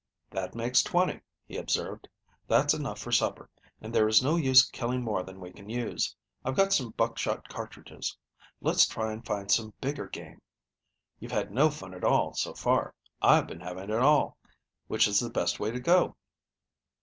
"That makes twenty," he observed. "That's enough for supper, and there is no use killing more than we can use. I've got some buckshot cartridges. Let's try and find some bigger game. You've had no fun at all, so far. I've been having it all. Which is the best way to go?"